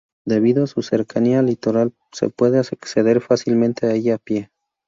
Debido a su cercanía al litoral se puede acceder fácilmente a ella a pie.